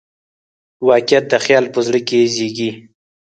واقعیت د خیال په زړه کې زېږي.